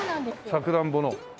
さくらんぼの。